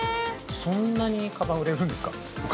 そんなにかばん売れるんですか。